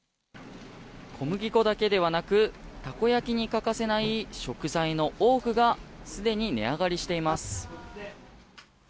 小麦粉だけではなくたこ焼きに欠かせない食材の多くがすでに値上がりしています。